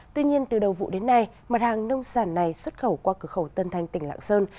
tuy nhiên từ đầu vụ đến nay mặt hàng nông sản này xuất khẩu qua cửa khẩu tân thanh tỉnh lạng sơn